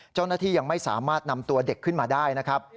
เจ้าหน้าที่ยังไม่สามารถนำตัวเด็กขึ้นมาได้นะครับ